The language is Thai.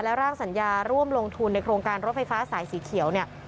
และร่างสัญญาร่วมลงทุนในโครงการรถไฟฟ้าสายสีเขียวเนี่ย